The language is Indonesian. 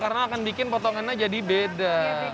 karena akan bikin potongannya jadi beda